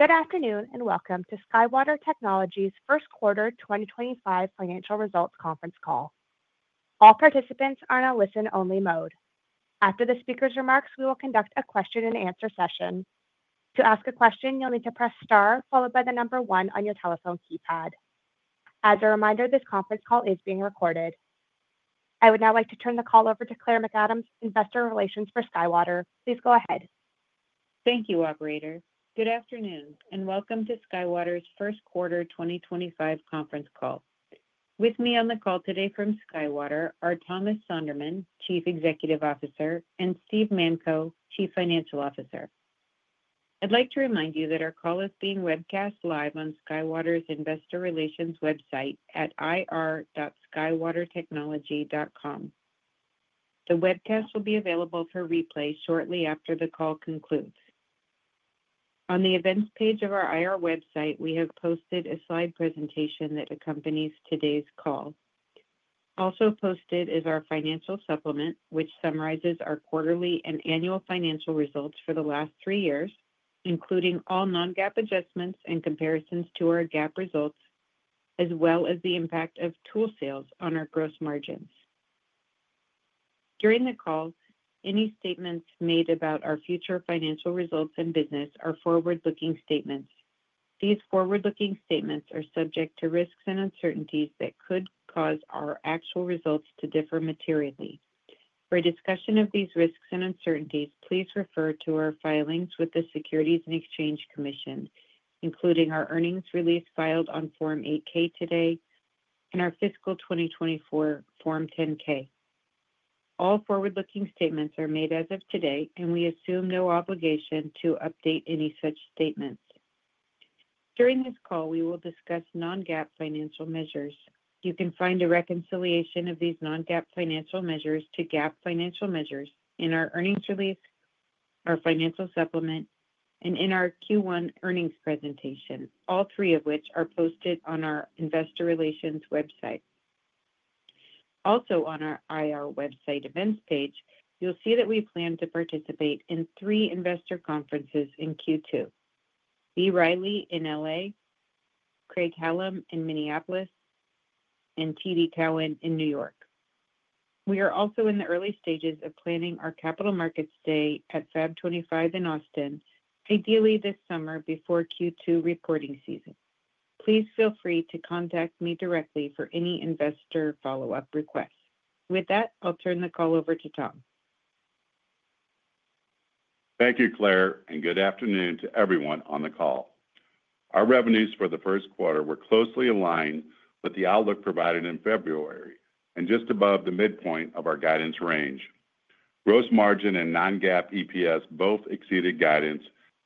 Good afternoon and welcome to SkyWater Technology's first quarter 2025 financial results conference call. All participants are in a listen-only mode. After the speaker's remarks, we will conduct a question-and-answer session. To ask a question, you'll need to press star followed by the number one on your telephone keypad. As a reminder, this conference call is being recorded. I would now like to turn the call over to Claire McAdams, Investor Relations for SkyWater. Please go ahead. Thank you, operator. Good afternoon and welcome to SkyWater's first quarter 2025 conference call. With me on the call today from SkyWater are Thomas Sonderman, Chief Executive Officer, and Steve Manko, Chief Financial Officer. I'd like to remind you that our call is being webcast live on SkyWater's Investor Relations website at ir.skywatertechnology.com. The webcast will be available for replay shortly after the call concludes. On the events page of our IR website, we have posted a slide presentation that accompanies today's call. Also posted is our financial supplement, which summarizes our quarterly and annual financial results for the last three years, including all non-GAAP adjustments and comparisons to our GAAP results, as well as the impact of tool sales on our gross margins. During the call, any statements made about our future financial results and business are forward-looking statements. These forward-looking statements are subject to risks and uncertainties that could cause our actual results to differ materially. For discussion of these risks and uncertainties, please refer to our filings with the Securities and Exchange Commission, including our earnings release filed on Form 8-K today and our fiscal 2024 Form 10-K. All forward-looking statements are made as of today, and we assume no obligation to update any such statements. During this call, we will discuss non-GAAP financial measures. You can find a reconciliation of these non-GAAP financial measures to GAAP financial measures in our earnings release, our financial supplement, and in our Q1 earnings presentation, all three of which are posted on our Investor Relations website. Also, on our IR website events page, you'll see that we plan to participate in three investor conferences in Q2: B. Riley in Los Angeles, Craig-Hallum in Minneapolis, and TD Cowen in New York. We are also in the early stages of planning our capital markets day at Fab 25 in Austin, ideally this summer before Q2 reporting season. Please feel free to contact me directly for any investor follow-up requests. With that, I'll turn the call over to Tom. Thank you, Claire, and good afternoon to everyone on the call. Our revenues for the first quarter were closely aligned with the outlook provided in February and just above the midpoint of our guidance range. Gross margin and non-GAAP EPS both exceeded guidance,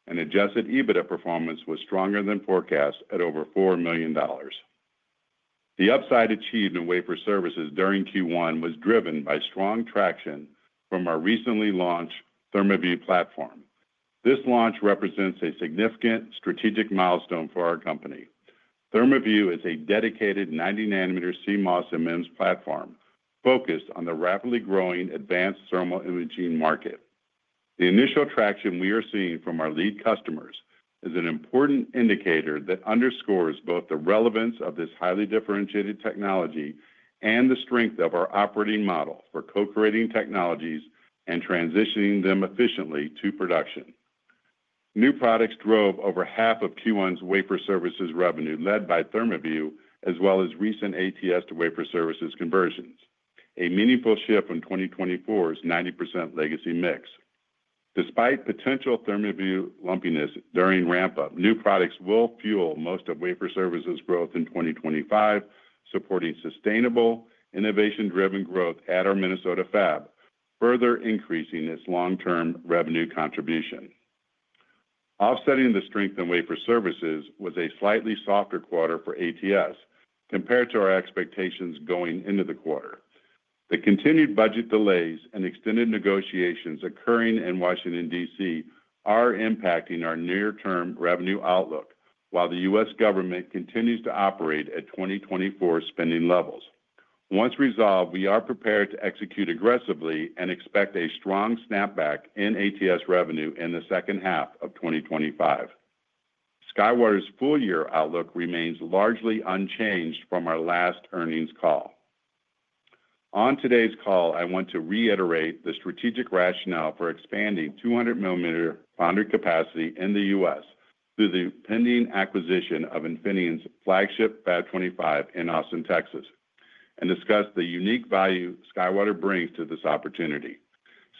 and adjusted EBITDA performance was stronger than forecast at over $4 million. The upside achieved in wafer services during Q1 was driven by strong traction from our recently launched ThermaView platform. This launch represents a significant strategic milestone for our company. ThermaView is a dedicated 90-nanometer CMOS and MIMS platform focused on the rapidly growing advanced thermal imaging market. The initial traction we are seeing from our lead customers is an important indicator that underscores both the relevance of this highly differentiated technology and the strength of our operating model for co-creating technologies and transitioning them efficiently to production. New products drove over half of Q1's wafer services revenue led by ThermaView, as well as recent ATS to wafer services conversions, a meaningful shift from 2024's 90% legacy mix. Despite potential ThermaView lumpiness during ramp-up, new products will fuel most of wafer services growth in 2025, supporting sustainable innovation-driven growth at our Minnesota fab, further increasing its long-term revenue contribution. Offsetting the strength in wafer services was a slightly softer quarter for ATS compared to our expectations going into the quarter. The continued budget delays and extended negotiations occurring in Washington, D.C., are impacting our near-term revenue outlook while the U.S. government continues to operate at 2024 spending levels. Once resolved, we are prepared to execute aggressively and expect a strong snapback in ATS revenue in the second half of 2025. SkyWater's full-year outlook remains largely unchanged from our last earnings call. On today's call, I want to reiterate the strategic rationale for expanding 200-millimeter foundry capacity in the U.S. through the pending acquisition of Infineon's flagship Fab 25 in Austin, Texas, and discuss the unique value SkyWater brings to this opportunity.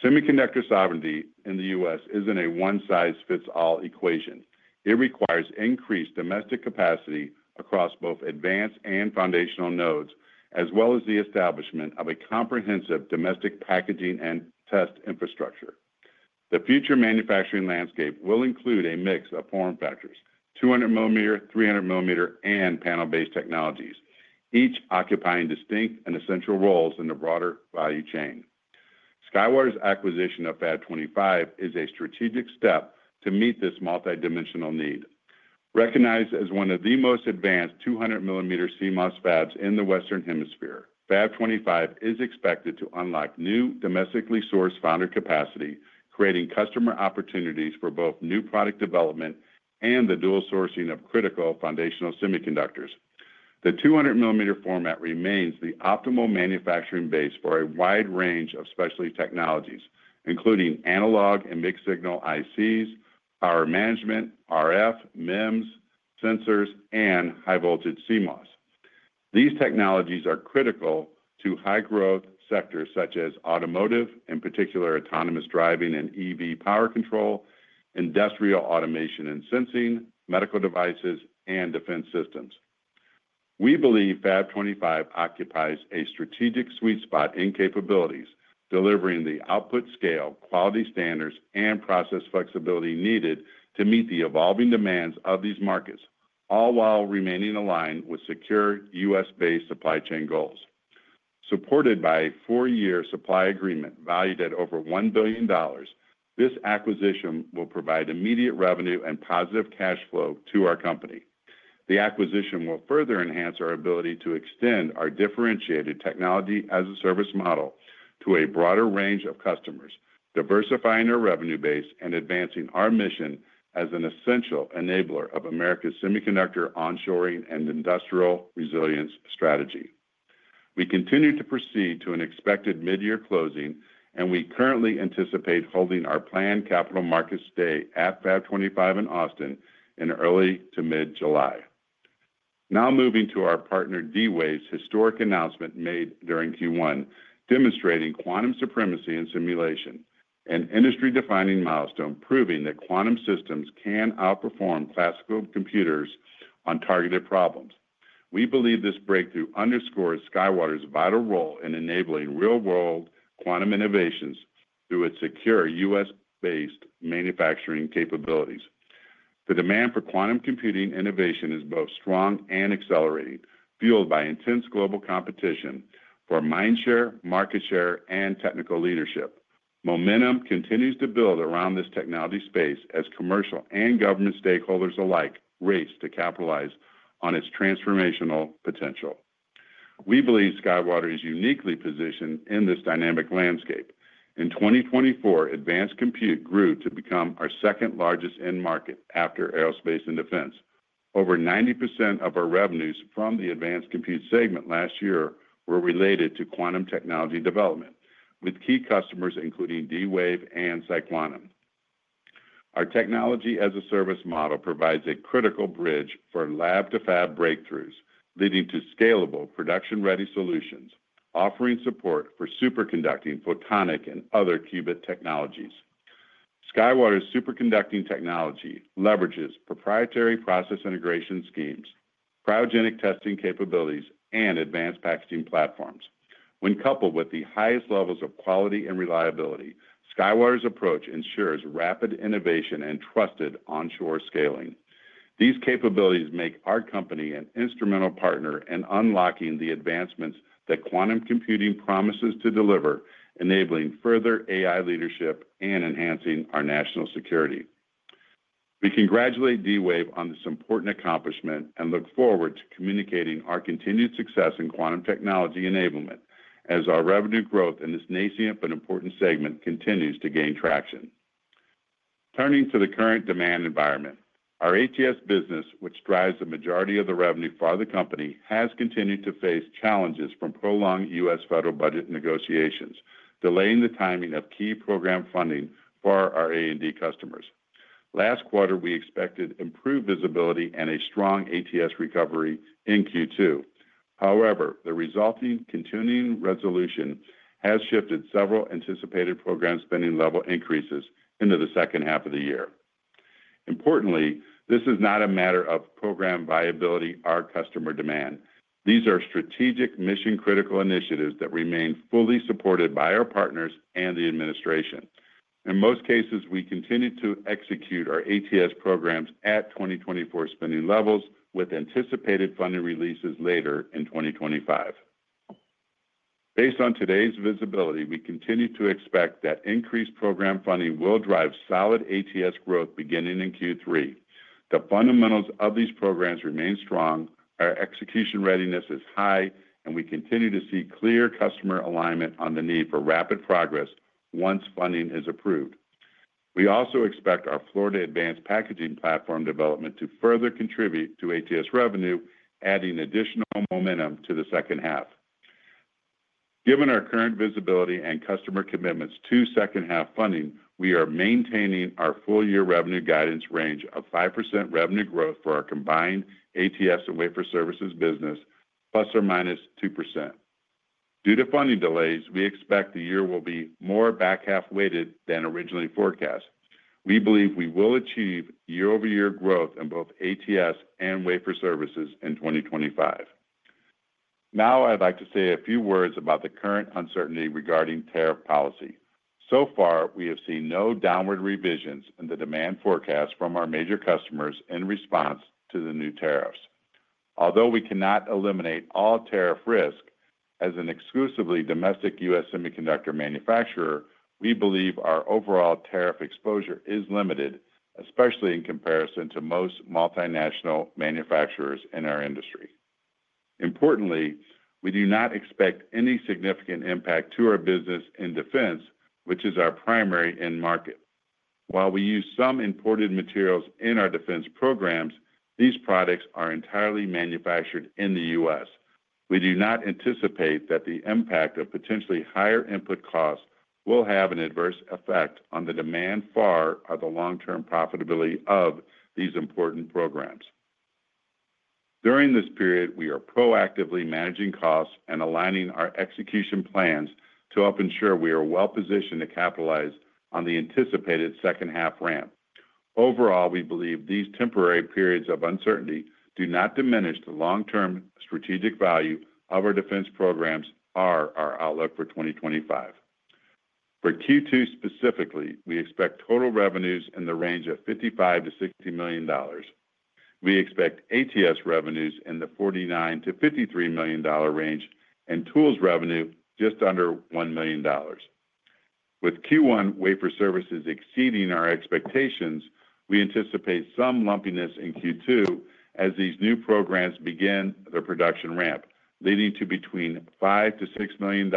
Semiconductor sovereignty in the U.S. isn't a one-size-fits-all equation. It requires increased domestic capacity across both advanced and foundational nodes, as well as the establishment of a comprehensive domestic packaging and test infrastructure. The future manufacturing landscape will include a mix of form factors: 200-millimeter, 300-millimeter, and panel-based technologies, each occupying distinct and essential roles in the broader value chain. SkyWater's acquisition of Fab 25 is a strategic step to meet this multidimensional need. Recognized as one of the most advanced 200-millimeter CMOS fabs in the Western Hemisphere, Fab 25 is expected to unlock new domestically sourced foundry capacity, creating customer opportunities for both new product development and the dual sourcing of critical foundational semiconductors. The 200-millimeter format remains the optimal manufacturing base for a wide range of specialty technologies, including analog and mixed-signal ICs, power management, RF, MIMS, sensors, and high-voltage CMOS. These technologies are critical to high-growth sectors such as automotive, in particular autonomous driving and EV power control, industrial automation and sensing, medical devices, and defense systems. We believe Fab 25 occupies a strategic sweet spot in capabilities, delivering the output scale, quality standards, and process flexibility needed to meet the evolving demands of these markets, all while remaining aligned with secure U.S.-based supply chain goals. Supported by a four-year supply agreement valued at over $1 billion, this acquisition will provide immediate revenue and positive cash flow to our company. The acquisition will further enhance our ability to extend our differentiated technology-as-a-service model to a broader range of customers, diversifying our revenue base and advancing our mission as an essential enabler of America's semiconductor onshoring and industrial resilience strategy. We continue to proceed to an expected mid-year closing, and we currently anticipate holding our planned capital markets day at Fab 25 in Austin in early to mid-July. Now moving to our partner D-Wave's historic announcement made during Q1, demonstrating quantum supremacy in simulation, an industry-defining milestone proving that quantum systems can outperform classical computers on targeted problems. We believe this breakthrough underscores SkyWater's vital role in enabling real-world quantum innovations through its secure U.S.-based manufacturing capabilities. The demand for quantum computing innovation is both strong and accelerating, fueled by intense global competition for mind share, market share, and technical leadership. Momentum continues to build around this technology space as commercial and government stakeholders alike race to capitalize on its transformational potential. We believe SkyWater is uniquely positioned in this dynamic landscape. In 2024, advanced compute grew to become our second largest end market after aerospace and defense. Over 90% of our revenues from the advanced compute segment last year were related to quantum technology development, with key customers including D-Wave and PsiQuantum. Our technology-as-a-service model provides a critical bridge for lab-to-fab breakthroughs, leading to scalable production-ready solutions, offering support for superconducting, photonic, and other qubit technologies. SkyWater's superconducting technology leverages proprietary process integration schemes, cryogenic testing capabilities, and advanced packaging platforms. When coupled with the highest levels of quality and reliability, SkyWater's approach ensures rapid innovation and trusted onshore scaling. These capabilities make our company an instrumental partner in unlocking the advancements that quantum computing promises to deliver, enabling further AI leadership and enhancing our national security. We congratulate D-Wave on this important accomplishment and look forward to communicating our continued success in quantum technology enablement as our revenue growth in this nascent but important segment continues to gain traction. Turning to the current demand environment, our ATS business, which drives the majority of the revenue for the company, has continued to face challenges from prolonged U.S. federal budget negotiations, delaying the timing of key program funding for our A&D customers. Last quarter, we expected improved visibility and a strong ATS recovery in Q2. However, the resulting continuing resolution has shifted several anticipated program spending level increases into the second half of the year. Importantly, this is not a matter of program viability or customer demand. These are strategic mission-critical initiatives that remain fully supported by our partners and the administration. In most cases, we continue to execute our ATS programs at 2024 spending levels with anticipated funding releases later in 2025. Based on today's visibility, we continue to expect that increased program funding will drive solid ATS growth beginning in Q3. The fundamentals of these programs remain strong, our execution readiness is high, and we continue to see clear customer alignment on the need for rapid progress once funding is approved. We also expect our Florida Advanced Packaging Platform development to further contribute to ATS revenue, adding additional momentum to the second half. Given our current visibility and customer commitments to second-half funding, we are maintaining our full-year revenue guidance range of 5% revenue growth for our combined ATS and wafer services business, plus or minus 2%. Due to funding delays, we expect the year will be more back-half weighted than originally forecast. We believe we will achieve year-over-year growth in both ATS and wafer services in 2025. Now, I'd like to say a few words about the current uncertainty regarding tariff policy. So far, we have seen no downward revisions in the demand forecast from our major customers in response to the new tariffs. Although we cannot eliminate all tariff risk as an exclusively domestic U.S. semiconductor manufacturer, we believe our overall tariff exposure is limited, especially in comparison to most multinational manufacturers in our industry. Importantly, we do not expect any significant impact to our business in defense, which is our primary end market. While we use some imported materials in our defense programs, these products are entirely manufactured in the U.S. We do not anticipate that the impact of potentially higher input costs will have an adverse effect on the demand for the long-term profitability of these important programs. During this period, we are proactively managing costs and aligning our execution plans to help ensure we are well-positioned to capitalize on the anticipated second-half ramp. Overall, we believe these temporary periods of uncertainty do not diminish the long-term strategic value of our defense programs or our outlook for 2025. For Q2 specifically, we expect total revenues in the range of $55-$60 million. We expect ATS revenues in the $49-$53 million range and tools revenue just under $1 million. With Q1 wafer services exceeding our expectations, we anticipate some lumpiness in Q2 as these new programs begin their production ramp, leading to between $5-$6 million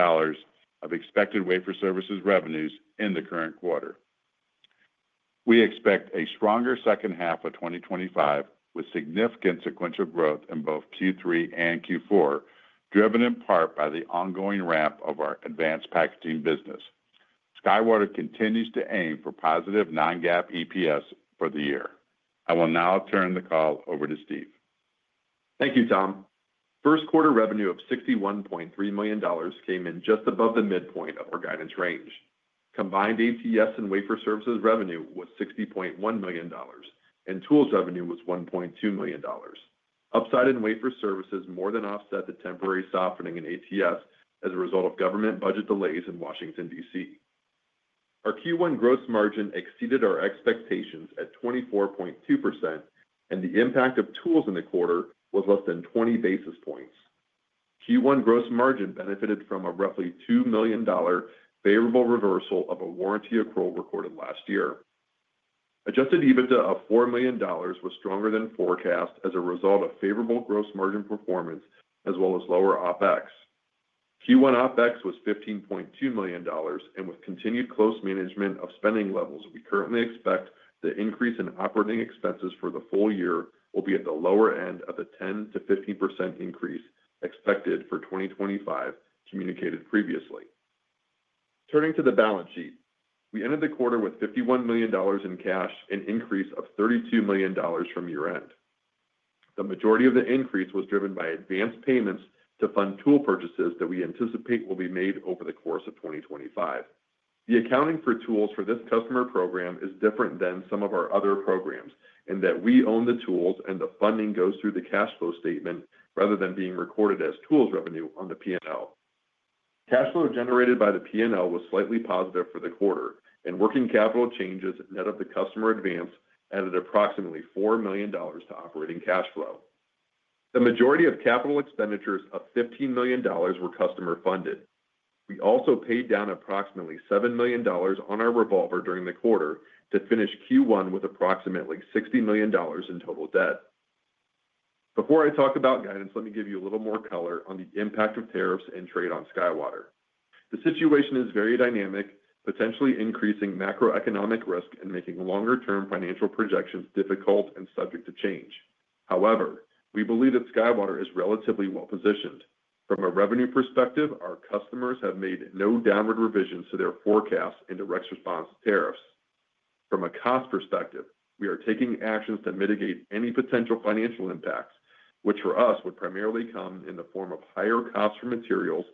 of expected wafer services revenues in the current quarter. We expect a stronger second half of 2025 with significant sequential growth in both Q3 and Q4, driven in part by the ongoing ramp of our advanced packaging business. SkyWater continues to aim for positive non-GAAP EPS for the year. I will now turn the call over to Steve. Thank you, Tom. First quarter revenue of $61.3 million came in just above the midpoint of our guidance range. Combined ATS and wafer services revenue was $60.1 million, and tools revenue was $1.2 million. Upsided wafer services more than offset the temporary softening in ATS as a result of government budget delays in Washington, D.C. Our Q1 gross margin exceeded our expectations at 24.2%, and the impact of tools in the quarter was less than 20 basis points. Q1 gross margin benefited from a roughly $2 million favorable reversal of a warranty accrual recorded last year. Adjusted EBITDA of $4 million was stronger than forecast as a result of favorable gross margin performance, as well as lower OPEX. Q1 OPEX was $15.2 million, and with continued close management of spending levels, we currently expect the increase in operating expenses for the full year will be at the lower end of the 10-15% increase expected for 2025, communicated previously. Turning to the balance sheet, we ended the quarter with $51 million in cash, an increase of $32 million from year-end. The majority of the increase was driven by advanced payments to fund tool purchases that we anticipate will be made over the course of 2025. The accounting for tools for this customer program is different than some of our other programs in that we own the tools and the funding goes through the cash flow statement rather than being recorded as tools revenue on the P&L. Cash flow generated by the P&L was slightly positive for the quarter, and working capital changes net of the customer advance added approximately $4 million to operating cash flow. The majority of capital expenditures of $15 million were customer funded. We also paid down approximately $7 million on our revolver during the quarter to finish Q1 with approximately $60 million in total debt. Before I talk about guidance, let me give you a little more color on the impact of tariffs and trade on SkyWater. The situation is very dynamic, potentially increasing macroeconomic risk and making longer-term financial projections difficult and subject to change. However, we believe that SkyWater is relatively well-positioned. From a revenue perspective, our customers have made no downward revisions to their forecasts in direct response to tariffs. From a cost perspective, we are taking actions to mitigate any potential financial impacts, which for us would primarily come in the form of higher costs for materials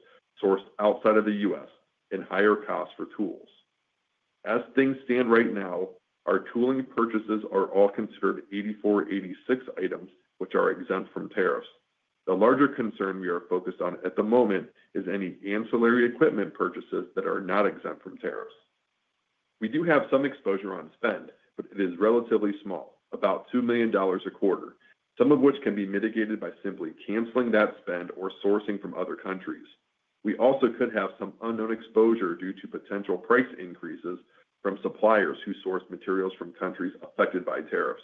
sourced outside of the U.S. and higher costs for tools. As things stand right now, our tooling purchases are all considered 8486 items, which are exempt from tariffs. The larger concern we are focused on at the moment is any ancillary equipment purchases that are not exempt from tariffs. We do have some exposure on spend, but it is relatively small, about $2 million a quarter, some of which can be mitigated by simply canceling that spend or sourcing from other countries. We also could have some unknown exposure due to potential price increases from suppliers who source materials from countries affected by tariffs.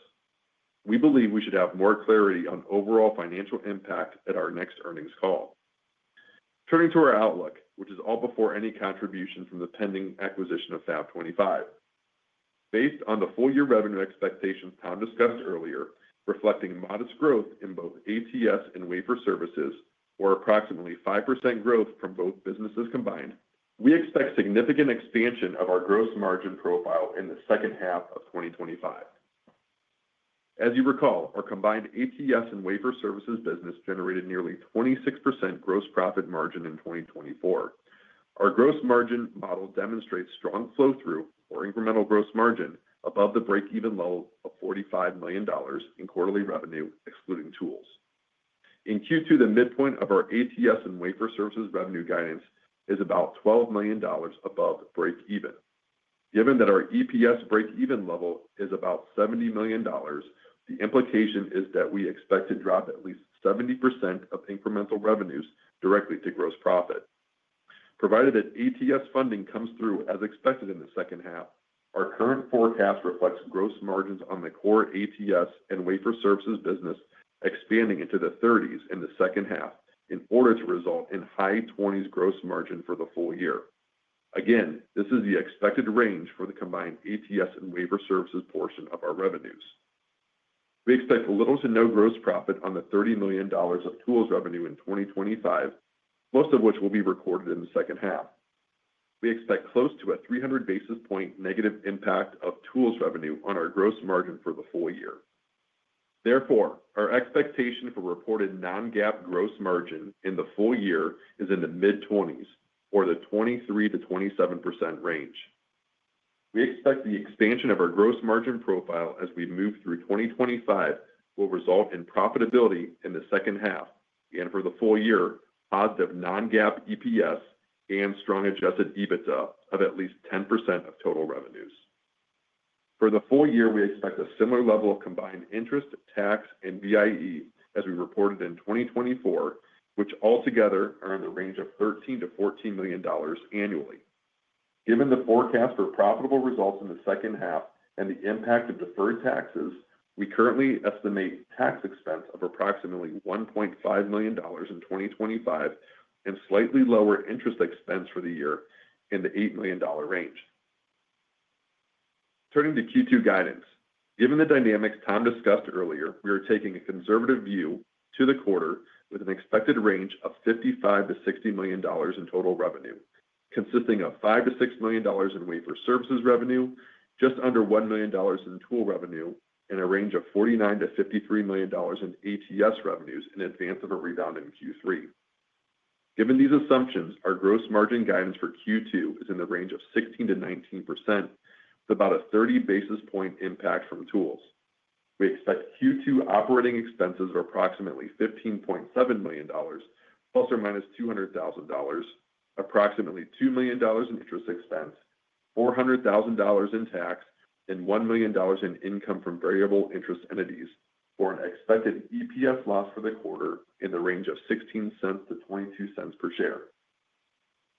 We believe we should have more clarity on overall financial impact at our next earnings call. Turning to our outlook, which is all before any contribution from the pending acquisition of Fab 25. Based on the full-year revenue expectations Tom discussed earlier, reflecting modest growth in both ATS and wafer services, or approximately 5% growth from both businesses combined, we expect significant expansion of our gross margin profile in the second half of 2025. As you recall, our combined ATS and wafer services business generated nearly 26% gross profit margin in 2024. Our gross margin model demonstrates strong flow-through or incremental gross margin above the break-even level of $45 million in quarterly revenue, excluding tools. In Q2, the midpoint of our ATS and wafer services revenue guidance is about $12 million above break-even. Given that our EPS break-even level is about $70 million, the implication is that we expect to drop at least 70% of incremental revenues directly to gross profit. Provided that ATS funding comes through as expected in the second half, our current forecast reflects gross margins on the core ATS and wafer services business expanding into the 30s in the second half in order to result in high 20s gross margin for the full year. Again, this is the expected range for the combined ATS and wafer services portion of our revenues. We expect little to no gross profit on the $30 million of tools revenue in 2025, most of which will be recorded in the second half. We expect close to a 300 basis point negative impact of tools revenue on our gross margin for the full year. Therefore, our expectation for reported non-GAAP gross margin in the full year is in the mid-20s or the 23-27% range. We expect the expansion of our gross margin profile as we move through 2025 will result in profitability in the second half and for the full year, positive non-GAAP EPS and strong adjusted EBITDA of at least 10% of total revenues. For the full year, we expect a similar level of combined interest, tax, and VIE as we reported in 2024, which altogether are in the range of $13-$14 million annually. Given the forecast for profitable results in the second half and the impact of deferred taxes, we currently estimate tax expense of approximately $1.5 million in 2025 and slightly lower interest expense for the year in the $8 million range. Turning to Q2 guidance, given the dynamics Tom discussed earlier, we are taking a conservative view to the quarter with an expected range of $55-$60 million in total revenue, consisting of $5-$6 million in wafer services revenue, just under $1 million in tool revenue, and a range of $49-$53 million in ATS revenues in advance of a rebound in Q3. Given these assumptions, our gross margin guidance for Q2 is in the range of 16%-19% with about a 30 basis point impact from tools. We expect Q2 operating expenses of approximately $15.7 million, plus or minus $200,000, approximately $2 million in interest expense, $400,000 in tax, and $1 million in income from variable interest entities for an expected EPS loss for the quarter in the range of $0.16-$0.22 per share.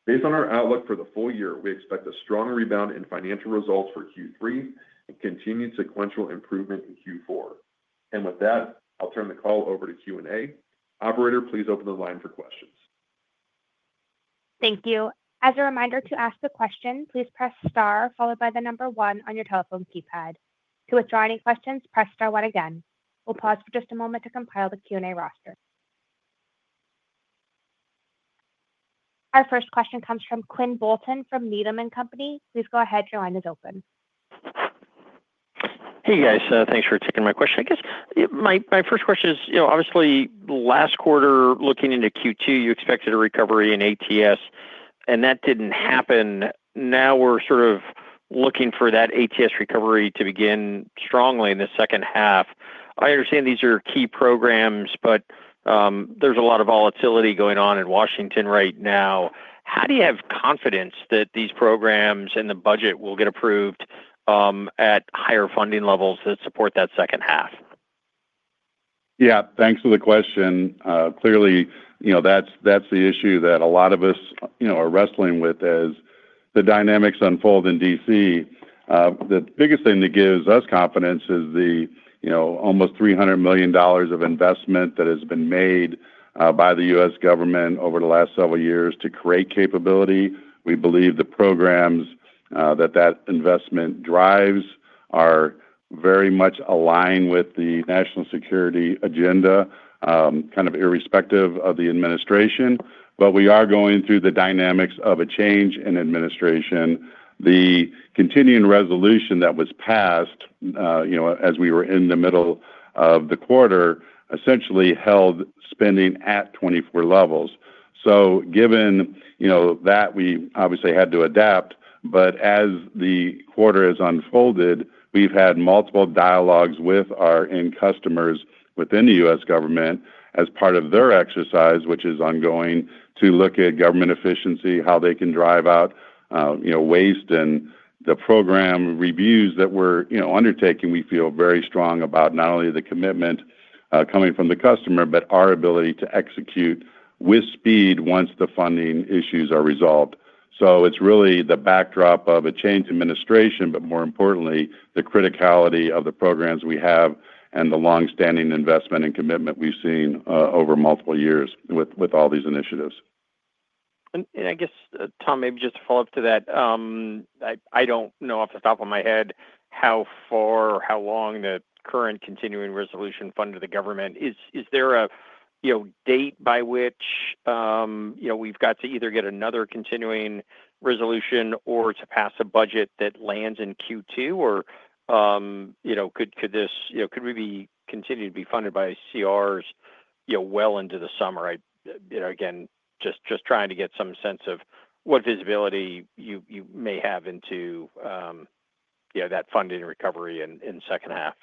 Based on our outlook for the full year, we expect a strong rebound in financial results for Q3 and continued sequential improvement in Q4. With that, I'll turn the call over to Q&A. Operator, please open the line for questions. Thank you. As a reminder to ask the question, please press star followed by the number one on your telephone keypad. To withdraw any questions, press star one again. We'll pause for just a moment to compile the Q&A roster. Our first question comes from Quinn Bolton from Needham & Company. Please go ahead. Your line is open. Hey, guys. Thanks for taking my question. I guess my first question is, obviously, last quarter, looking into Q2, you expected a recovery in ATS, and that did not happen. Now we are sort of looking for that ATS recovery to begin strongly in the second half. I understand these are key programs, but there is a lot of volatility going on in Washington right now. How do you have confidence that these programs and the budget will get approved at higher funding levels that support that second half? Yeah, thanks for the question. Clearly, that is the issue that a lot of us are wrestling with as the dynamics unfold in D.C. The biggest thing that gives us confidence is the almost $300 million of investment that has been made by the U.S. government over the last several years to create capability. We believe the programs that investment drives are very much aligned with the national security agenda, kind of irrespective of the administration. We are going through the dynamics of a change in administration. The continuing resolution that was passed as we were in the middle of the quarter essentially held spending at 2024 levels. Given that, we obviously had to adapt. As the quarter has unfolded, we've had multiple dialogues with our end customers within the U.S. government as part of their exercise, which is ongoing, to look at government efficiency, how they can drive out waste. The program reviews that we're undertaking, we feel very strong about not only the commitment coming from the customer, but our ability to execute with speed once the funding issues are resolved. It is really the backdrop of a changed administration, but more importantly, the criticality of the programs we have and the long-standing investment and commitment we have seen over multiple years with all these initiatives. I guess, Tom, maybe just to follow up to that, I do not know off the top of my head how far or how long the current continuing resolution funded the government. Is there a date by which we have to either get another continuing resolution or to pass a budget that lands in Q2? Or could we continue to be funded by CRs well into the summer? I am just trying to get some sense of what visibility you may have into that funding recovery in the second half.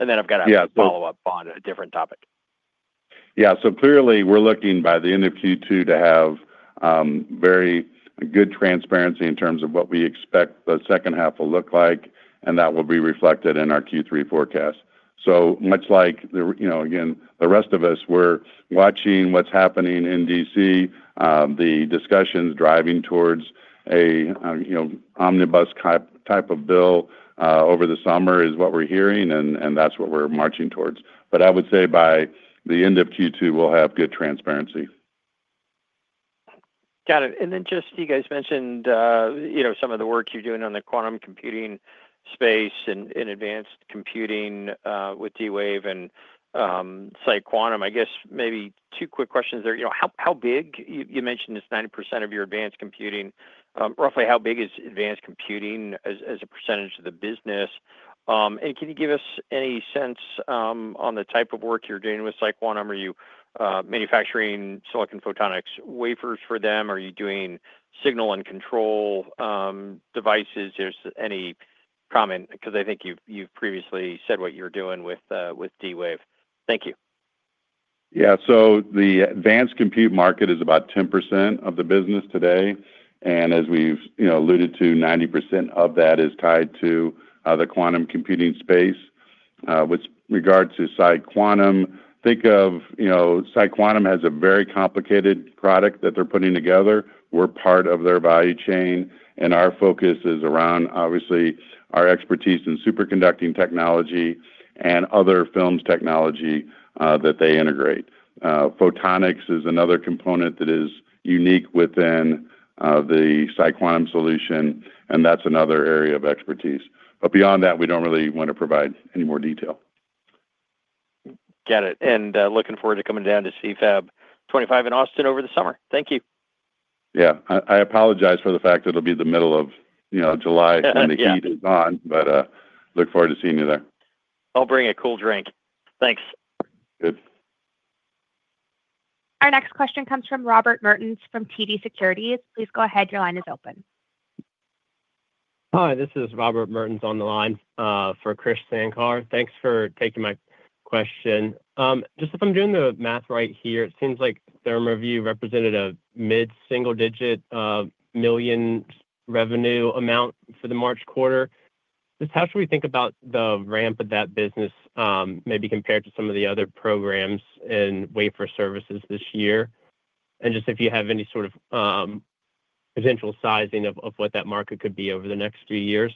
I have a follow up on a different topic. Yeah. Clearly, we're looking by the end of Q2 to have very good transparency in terms of what we expect the second half will look like, and that will be reflected in our Q3 forecast. Much like, again, the rest of us, we're watching what's happening in D.C. The discussions driving towards an omnibus type of bill over the summer is what we're hearing, and that's what we're marching towards. I would say by the end of Q2, we'll have good transparency. Got it. You guys mentioned some of the work you're doing on the quantum computing space and advanced computing with D-Wave and PsiQuantum. I guess maybe two quick questions there. How big? You mentioned it's 90% of your advanced computing. Roughly, how big is advanced computing as a percentage of the business? Can you give us any sense on the type of work you're doing with PsiQuantum? Are you manufacturing silicon photonics wafers for them? Are you doing signal and control devices? Is there any comment? Because I think you've previously said what you're doing with D-Wave. Thank you. Yeah. The advanced compute market is about 10% of the business today. As we've alluded to, 90% of that is tied to the quantum computing space. With regard to PsiQuantum, think of PsiQuantum as a very complicated product that they're putting together. We're part of their value chain, and our focus is around, obviously, our expertise in superconducting technology and other films technology that they integrate. Photonics is another component that is unique within the PsiQuantum solution, and that's another area of expertise. Beyond that, we don't really want to provide any more detail. Got it. Looking forward to coming down to Fab 25 in Austin over the summer. Thank you. Yeah. I apologize for the fact that it'll be the middle of July when the heat is on, but look forward to seeing you there. I'll bring a cool drink. Thanks. Good. Our next question comes from Robert Mertons from TD Securities. Please go ahead. Your line is open. Hi. This is Robert Mertons on the line for Chris Sankar. Thanks for taking my question. Just if I'm doing the math right here, it seems like ThermaView represented a mid-single-digit million revenue amount for the March quarter. Just how should we think about the ramp of that business, maybe compared to some of the other programs and wafer services this year? And just if you have any sort of potential sizing of what that market could be over the next few years.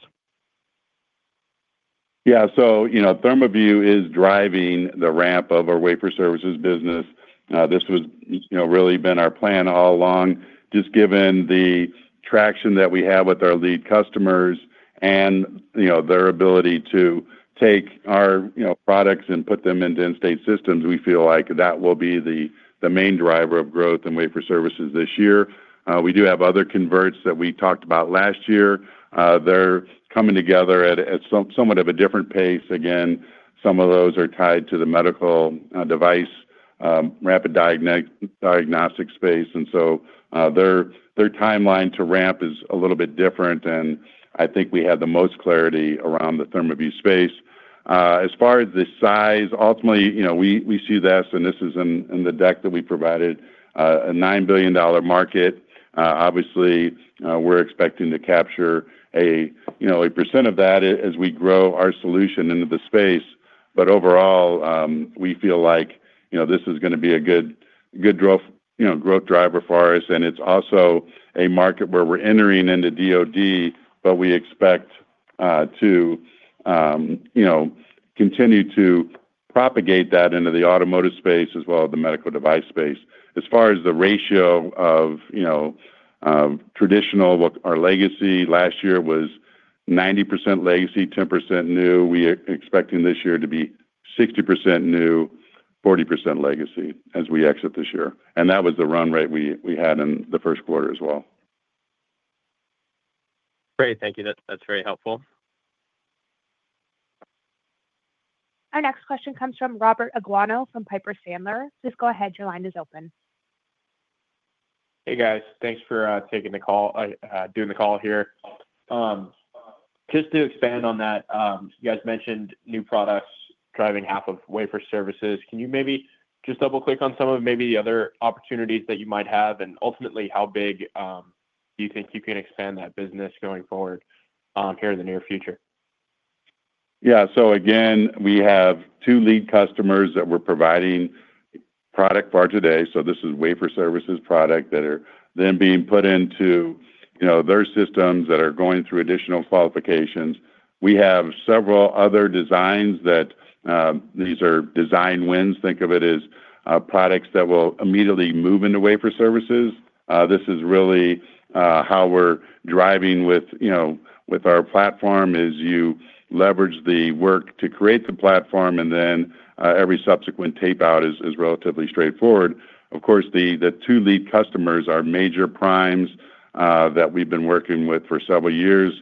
Yeah. ThermaView is driving the ramp of our wafer services business. This has really been our plan all along. Just given the traction that we have with our lead customers and their ability to take our products and put them into in-state systems, we feel like that will be the main driver of growth in wafer services this year. We do have other converts that we talked about last year. They're coming together at somewhat of a different pace. Again, some of those are tied to the medical device rapid diagnostic space. Their timeline to ramp is a little bit different, and I think we have the most clarity around the ThermaView space. As far as the size, ultimately, we see this, and this is in the deck that we provided, a $9 billion market. Obviously, we're expecting to capture a percent of that as we grow our solution into the space. Overall, we feel like this is going to be a good growth driver for us. It's also a market where we're entering into DOD, but we expect to continue to propagate that into the automotive space as well as the medical device space. As far as the ratio of traditional, our legacy last year was 90% legacy, 10% new. We are expecting this year to be 60% new, 40% legacy as we exit this year. That was the run rate we had in the first quarter as well. Great. Thank you. That's very helpful. Our next question comes from Robert Aguano from Piper Sandler. Please go ahead. Your line is open. Hey, guys. Thanks for taking the call, doing the call here. Just to expand on that, you guys mentioned new products driving half of wafer services. Can you maybe just double-click on some of maybe the other opportunities that you might have? Ultimately, how big do you think you can expand that business going forward here in the near future? Yeah. Again, we have two lead customers that we're providing product for today. This is wafer services product that are then being put into their systems that are going through additional qualifications. We have several other designs that these are design wins. Think of it as products that will immediately move into wafer services. This is really how we're driving with our platform. You leverage the work to create the platform, and then every subsequent tape-out is relatively straightforward. Of course, the two lead customers are major primes that we've been working with for several years.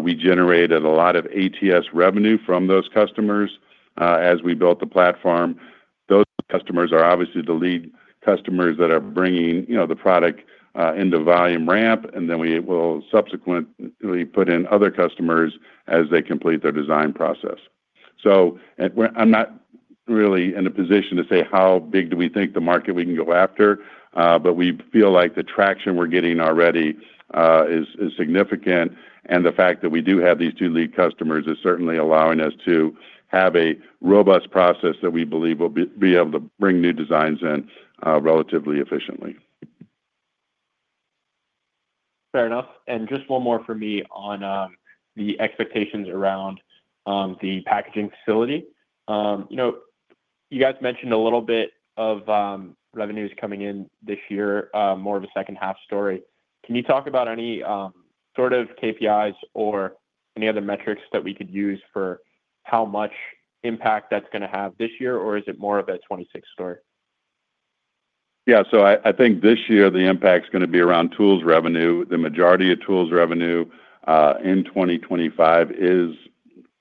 We generated a lot of ATS revenue from those customers as we built the platform. Those customers are obviously the lead customers that are bringing the product into volume ramp, and then we will subsequently put in other customers as they complete their design process. I'm not really in a position to say how big do we think the market we can go after, but we feel like the traction we're getting already is significant. The fact that we do have these two lead customers is certainly allowing us to have a robust process that we believe will be able to bring new designs in relatively efficiently. Fair enough. Just one more for me on the expectations around the packaging facility. You guys mentioned a little bit of revenues coming in this year, more of a second-half story. Can you talk about any sort of KPIs or any other metrics that we could use for how much impact that's going to have this year, or is it more of a 2026 story? Yeah. I think this year, the impact's going to be around tools revenue. The majority of tools revenue in 2025 is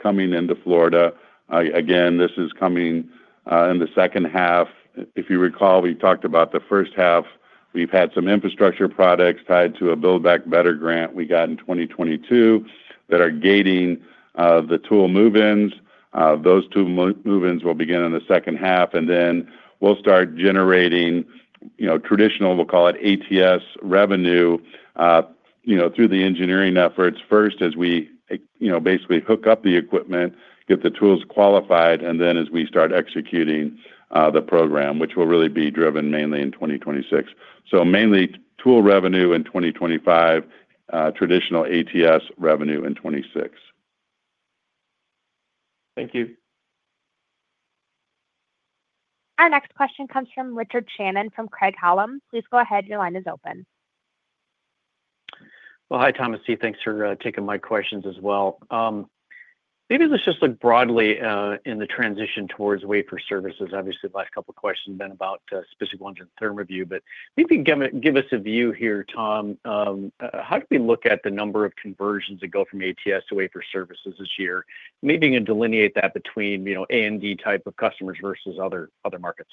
coming into Florida. Again, this is coming in the second half. If you recall, we talked about the first half. We've had some infrastructure products tied to a Build Back Better grant we got in 2022 that are gating the tool move-ins. Those tool move-ins will begin in the second half, and then we'll start generating traditional, we'll call it ATS revenue through the engineering efforts first as we basically hook up the equipment, get the tools qualified, and then as we start executing the program, which will really be driven mainly in 2026. Mainly tool revenue in 2025, traditional ATS revenue in 2026. Thank you. Our next question comes from Richard Shannon from Craig-Hallum. Please go ahead. Your line is open. Hi, Thomas. Thanks for taking my questions as well. Maybe let's just look broadly in the transition towards wafer services. Obviously, the last couple of questions have been about specific ones in ThermaView, but maybe give us a view here, Tom. How do we look at the number of conversions that go from ATS to wafer services this year? Maybe you can delineate that between A and D type of customers versus other markets.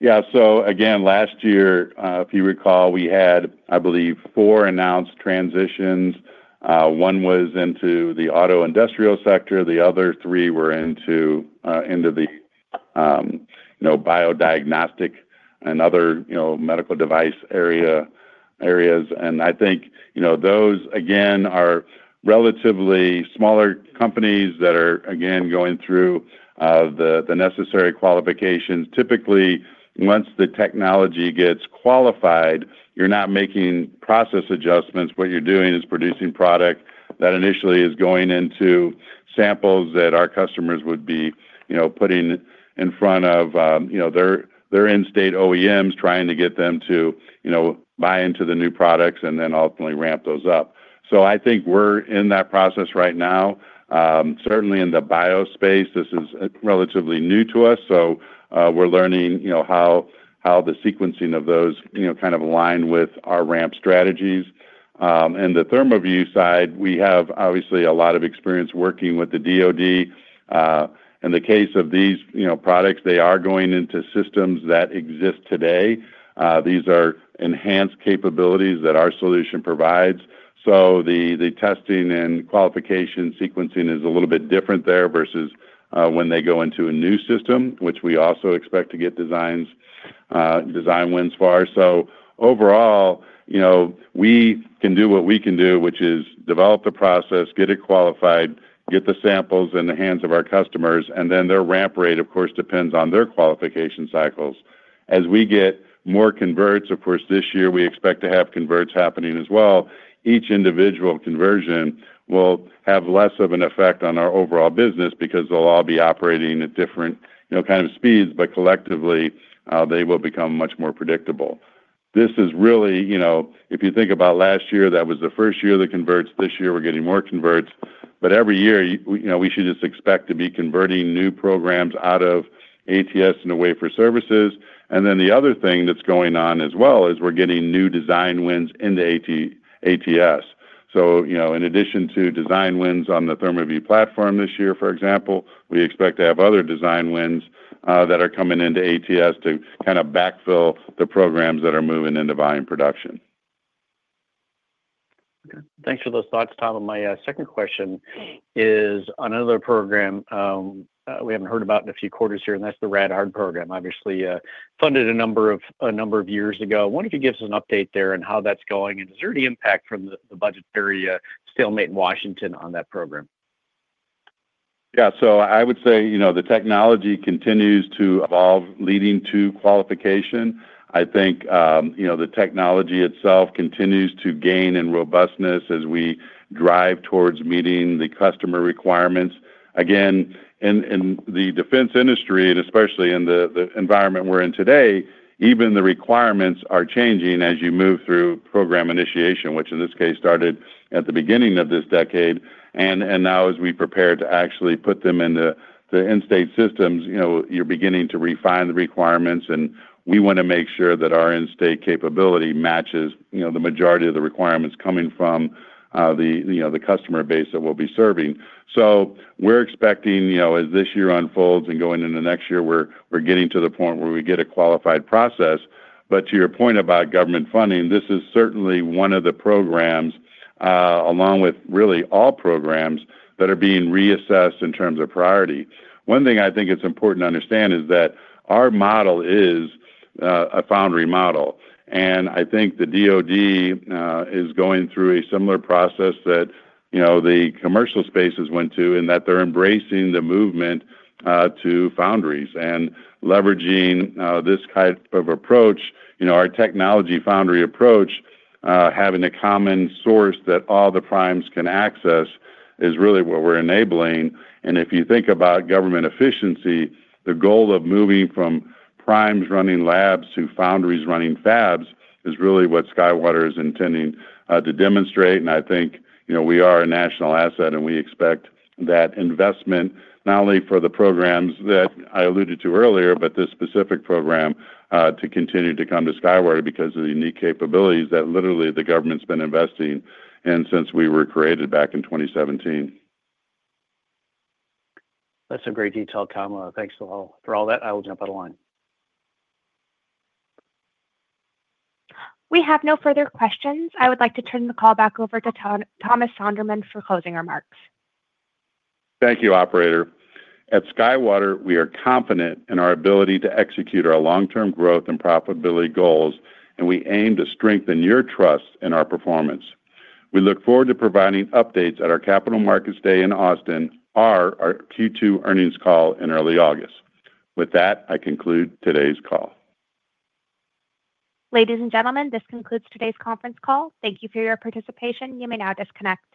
Yeah. Again, last year, if you recall, we had, I believe, four announced transitions. One was into the auto industrial sector. The other three were into the biodiagnostic and other medical device areas. I think those, again, are relatively smaller companies that are, again, going through the necessary qualifications. Typically, once the technology gets qualified, you're not making process adjustments. What you're doing is producing product that initially is going into samples that our customers would be putting in front of their in-state OEMs, trying to get them to buy into the new products and then ultimately ramp those up. I think we're in that process right now. Certainly, in the bio space, this is relatively new to us. We're learning how the sequencing of those kind of align with our ramp strategies. On the ThermaView side, we have obviously a lot of experience working with the DOD. In the case of these products, they are going into systems that exist today. These are enhanced capabilities that our solution provides. The testing and qualification sequencing is a little bit different there versus when they go into a new system, which we also expect to get design wins for. Overall, we can do what we can do, which is develop the process, get it qualified, get the samples in the hands of our customers, and then their ramp rate, of course, depends on their qualification cycles. As we get more converts, of course, this year, we expect to have converts happening as well. Each individual conversion will have less of an effect on our overall business because they'll all be operating at different kinds of speeds, but collectively, they will become much more predictable. This is really, if you think about last year, that was the first year of the converts. This year, we're getting more converts. Every year, we should just expect to be converting new programs out of ATS into wafer services. The other thing that's going on as well is we're getting new design wins into ATS. In addition to design wins on the ThermaView platform this year, for example, we expect to have other design wins that are coming into ATS to kind of backfill the programs that are moving into volume production. Thanks for those thoughts, Tom. My second question is on another program we haven't heard about in a few quarters here, and that's the RadHard program. Obviously, funded a number of years ago. I wonder if you could give us an update there and how that's going and is there any impact from the budgetary stalemate in Washington, D.C. on that program. Yeah. I would say the technology continues to evolve leading to qualification. I think the technology itself continues to gain in robustness as we drive towards meeting the customer requirements. Again, in the defense industry, and especially in the environment we are in today, even the requirements are changing as you move through program initiation, which in this case started at the beginning of this decade. Now, as we prepare to actually put them into the in-state systems, you are beginning to refine the requirements, and we want to make sure that our in-state capability matches the majority of the requirements coming from the customer base that we will be serving. We are expecting, as this year unfolds and going into next year, we are getting to the point where we get a qualified process. To your point about government funding, this is certainly one of the programs, along with really all programs, that are being reassessed in terms of priority. One thing I think it's important to understand is that our model is a foundry model. I think the DOD is going through a similar process that the commercial spaces went to, in that they're embracing the movement to foundries and leveraging this type of approach. Our technology foundry approach, having a common source that all the primes can access, is really what we're enabling. If you think about government efficiency, the goal of moving from primes running labs to foundries running fabs is really what SkyWater is intending to demonstrate. I think we are a national asset, and we expect that investment, not only for the programs that I alluded to earlier, but this specific program to continue to come to SkyWater because of the unique capabilities that literally the government's been investing in since we were created back in 2017. That's a great detail, Tom. Thanks for all that. I will jump out of line. We have no further questions. I would like to turn the call back over to Thomas Sonderman for closing remarks. Thank you, Operator. At SkyWater, we are confident in our ability to execute our long-term growth and profitability goals, and we aim to strengthen your trust in our performance. We look forward to providing updates at our Capital Markets Day in Austin, our Q2 earnings call in early August. With that, I conclude today's call. Ladies and gentlemen, this concludes today's conference call. Thank you for your participation. You may now disconnect.